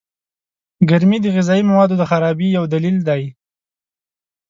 گرمي د غذايي موادو د خرابۍ يو دليل دئ.